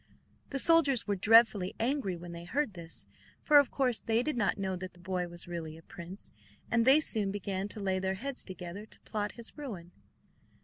The soldiers were dreadfully angry when they heard this, for of course they did not know that the boy was really a prince; and they soon began to lay their heads together to plot his ruin.